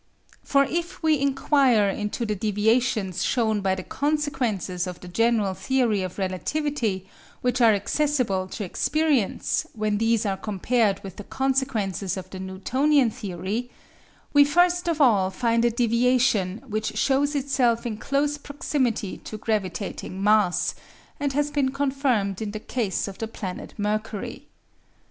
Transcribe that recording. For if we inquire into the deviations shown by the consequences of the general theory of relativity which are accessible to experience, when these are compared with the consequences of the Newtonian theory, we first of all find a deviation which shows itself in close proximity to gravitating mass, and has been confirmed in the case of the planet Mercury.